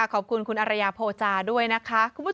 ขอบคุณคุณอรัยาโภจารย์ด้วยนะคะ